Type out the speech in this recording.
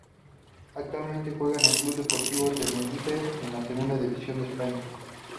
Actualmente juega en el Club Deportivo Tenerife de la Segunda División de España.